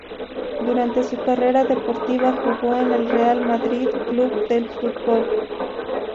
Durante su carrera deportiva jugó en el Real Madrid Club de Fútbol.